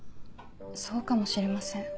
そうかもしれません。